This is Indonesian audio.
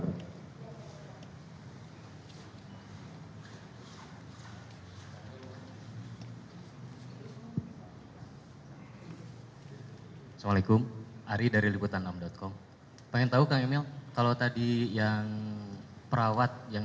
assalamualaikum hari dari liputanam com pengen tahu kalau tadi yang perawat yang